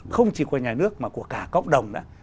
không chỉ của nhà nước mà của cả cộng đồng nữa